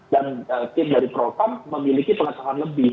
dan tim dari propam memiliki pengetahuan lebih